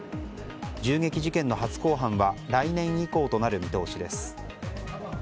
銃撃事件の初公判は来年以降となる見通しです。